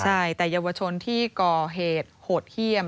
ใช่แต่เยาวชนที่ก่อเหตุโหดเยี่ยม